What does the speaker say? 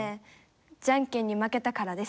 じゃんけんに負けたからです。